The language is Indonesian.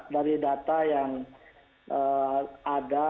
dari data yang ada